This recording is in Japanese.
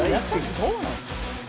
そうなんですよ。